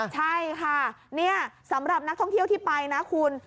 ใช่ค่ะนี่สำหรับนักท่องเที่ยวที่ไปนะคุณ